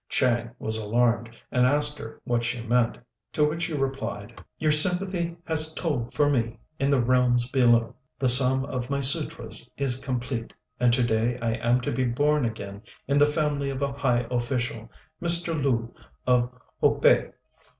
Chang was alarmed, and asked her what she meant; to which she replied, "Your sympathy has told for me in the realms below. The sum of my sutras is complete, and to day I am to be born again in the family of a high official, Mr. Lu, of Ho pei.